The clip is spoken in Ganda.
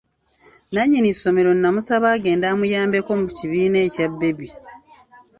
Nannyini ssomero n’amusaba agende amuyambeko mu kibiina ekya 'baby'.